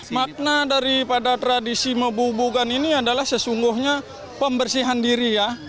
makna daripada tradisi mebubogan ini adalah sesungguhnya pembersihan diri ya